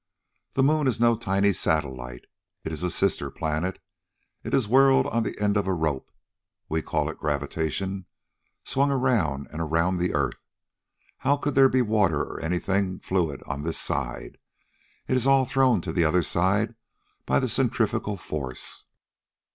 "The moon is no tiny satellite; it is a sister planet. It is whirled on the end of a rope (we call it gravitation), swung around and around the earth. How could there be water or anything fluid on this side? It is all thrown to the other side by the centrifugal force.